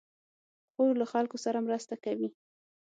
خور له خلکو سره مرسته کوي.